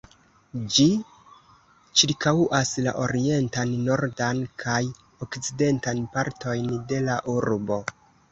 Ĝi ĉirkaŭas la orientan, nordan, kaj okcidentan partojn de la urbo.